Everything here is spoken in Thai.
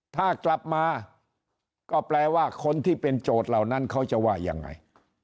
ถ้ากลับมาก็แปลว่าคนที่เป็นโจทย์เหล่านั้นเขาจะว่ายังไง